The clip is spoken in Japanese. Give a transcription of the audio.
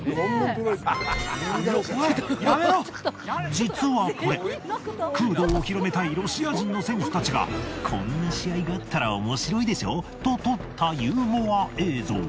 実はこれ空道を広めたいロシア人の選手たちがこんな試合があったらおもしろいでしょと撮ったユーモア映像。